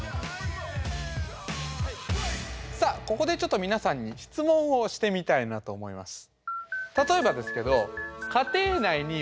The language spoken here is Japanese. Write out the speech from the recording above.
さあここでちょっと皆さんに質問をしてみたいなと思います。